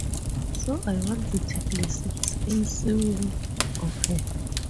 So I want to take lessons in sewing of her.